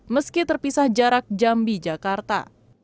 meski terpisah jarak jambi jakarta